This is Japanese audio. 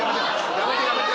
やめてやめて。